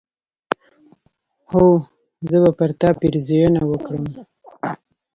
هو! زه به پر تا پيرزوينه وکړم